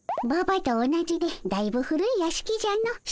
ばばと同じでだいぶ古い屋敷じゃの。